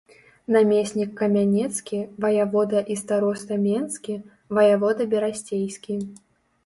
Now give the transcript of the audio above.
Намеснік камянецкі, ваявода і староста менскі, ваявода берасцейскі.